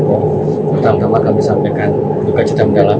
kita di sini sebagai sekolah